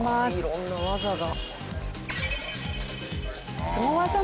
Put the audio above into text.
色んな技が。